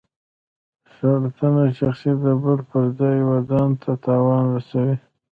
سرټنبه شخص د بل پر ځای و ځانته تاوان رسوي.